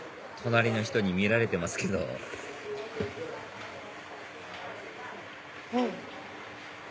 隣の人に見られてますけどうん！